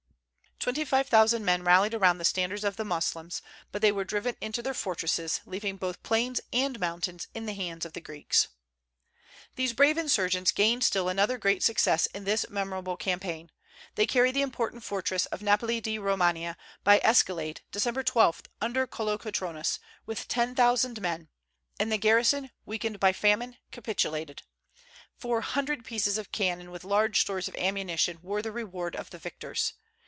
Twenty five thousand men rallied around the standards of the Moslems; but they were driven into their fortresses, leaving both plains and mountains in the hands of the Greeks. These brave insurgents gained still another great success in this memorable campaign. They carried the important fortress of Napoli di Romania by escalade December 12, under Kolokotronis, with ten thousand men, and the garrison, weakened by famine, capitulated. Four hundred pieces of cannon, with large stores of ammunition, were the reward of the victors.